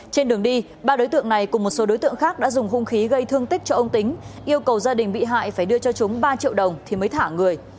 trên đường đi ba đối tượng này cùng một số đối tượng khác đã dùng hung khí gây thương tích cho ông tính yêu cầu gia đình bị hại phải đưa cho chúng ba triệu đồng thì mới thả người